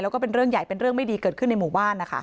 แล้วก็เป็นเรื่องใหญ่เป็นเรื่องไม่ดีเกิดขึ้นในหมู่บ้านนะคะ